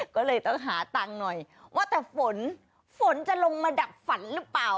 ก็เลยต้องหาตังค์หน่อยว่าแต่ฝนฝนจะลงมาดับฝันหรือเปล่า